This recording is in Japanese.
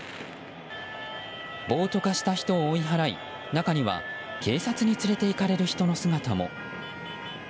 暴徒化した人を追い払い中には、警察に連れていかれる人の姿も。